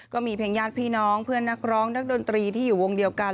ก็มีเพียงญาติพี่น้องเพื่อนนักร้องนักดนตรีที่อยู่วงเดียวกัน